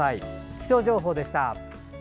気象情報でした。